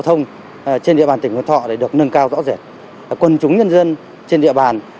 thông trên địa bàn tỉnh phú thọ được nâng cao rõ rẻ quân chúng nhân dân trên địa bàn